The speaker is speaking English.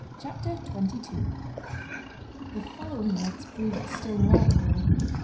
CHAPTER XXII The following nights proved still more cruel.